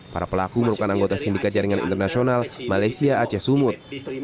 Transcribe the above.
para pelaku merupakan anggota sindikat jaringan internasional malaysia aceh sumut